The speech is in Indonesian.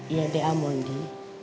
iya deh a mondi